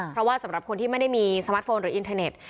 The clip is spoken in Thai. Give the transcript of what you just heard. เพราะว่าสำหรับคนที่ไม่ได้มีสมาร์ทโฟนหรืออินเทอร์เน็ต